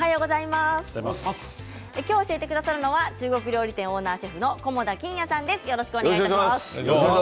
今日、教えてくださるのは中国料理店オーナーシェフの菰田欣也さんです。